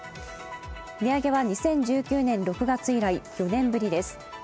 値上げは２０１９年６月以来、４年ぶりです。